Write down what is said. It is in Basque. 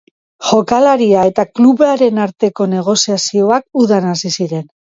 Jokalaria eta klubaren arteko negoziazioak udan hasi ziren.